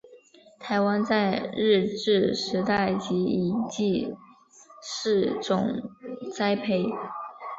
台湾在日治时代即引进试种栽培。